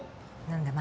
何だ。